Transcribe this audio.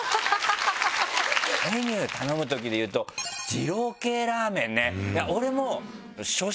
メニュー頼むときでいうと二郎系ラーメンね俺も。